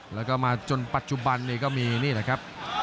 แล้วก็มาจนปัจจุบันนี้ก็มีนี่แหละครับ